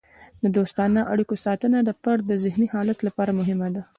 د دوستانه اړیکو ساتنه د فرد د ذهني حالت لپاره مهمه ده.